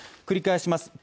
繰り返します。